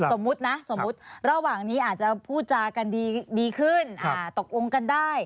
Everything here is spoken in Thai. สมมุตินะสมมุติระหว่างนี้อาจจะพูดจากันดีขึ้นตกลงกันได้